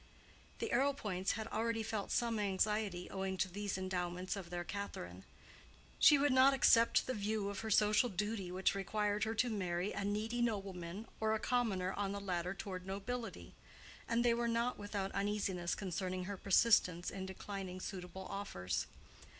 The Arrowpoints had already felt some anxiety owing to these endowments of their Catherine. She would not accept the view of her social duty which required her to marry a needy nobleman or a commoner on the ladder toward nobility; and they were not without uneasiness concerning her persistence in declining suitable offers.